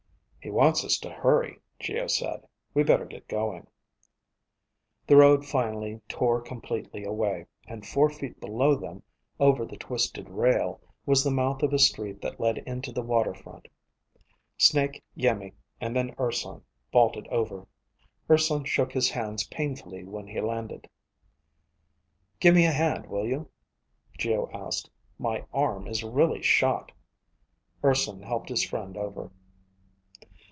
"He wants us to hurry," Geo said. "We better get going." The road finally tore completely away, and four feet below them, over the twisted rail, was the mouth of a street that led into the waterfront. Snake, Iimmi and then Urson vaulted over. Urson shook his hands painfully when he landed. "Give me a hand, will you?" Geo asked. "My arm is really shot." Urson helped his friend over.